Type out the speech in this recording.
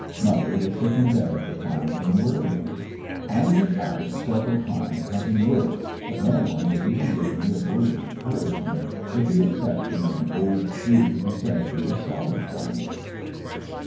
Mother was sick in bed at the time from worrying. I went out several times hunting work but no one would even give me a word of encouragement, with the exception of an old Jew who said he was sorry for me.